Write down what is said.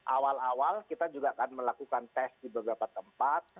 awal awal kita juga akan melakukan tes di beberapa tempat